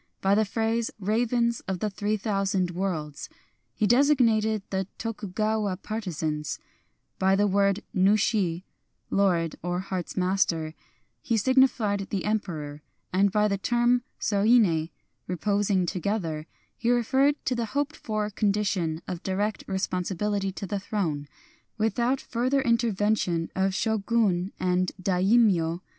By the phrase, " ravens o£ the three thousand worlds," he designated the Tokugawa partisans ; by the word nushi (lord, or heart' s master) he signified the Em peror ; and by the term soine (reposing to gether) he referred to the hoped for condition of direct responsibility to the Throne, without further intervention of Shogun and daimyo.